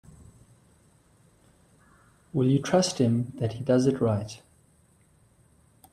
Will you trust him that he does it right?